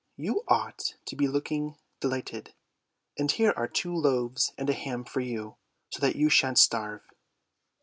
"You ought to be looking delighted; and here are two loaves and a ham for you, so that you shan't starve."